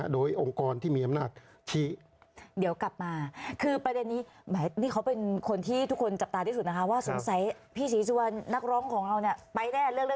โดยองค์กรที่มีอำนาจชี้